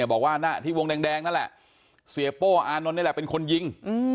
บอกว่าหน้าที่วงแดงนั่นแหละเสียโป้อานนท์นี่แหละเป็นคนยิง